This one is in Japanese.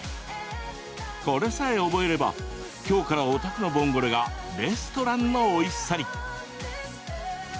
これさえ覚えれば今日からお宅のボンゴレがレストランのおいしさに。